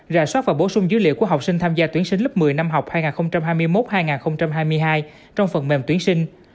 rà soát và bổ sung dữ liệu của học sinh tham gia tuyển sinh lớp một mươi năm học hai nghìn hai mươi một hai nghìn hai mươi hai trong phần mềm tuyển sinh